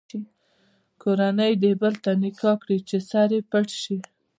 کورنۍ دې بل ته نکاح کړي چې سر یې پټ شي.